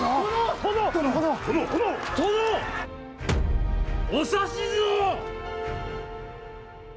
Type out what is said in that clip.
殿！お指図を！